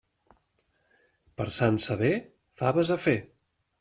Per Sant Sever, faves a fer.